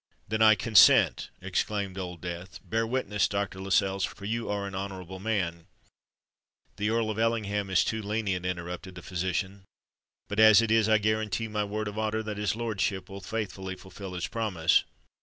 "Then I consent!" exclaimed Old Death. "Bear witness, Dr. Lascelles—for you are an honourable man——" "The Earl of Ellingham is too lenient," interrupted the physician. "But, as it is, I guarantee my word of honour that his lordship will faithfully fulfil his promise."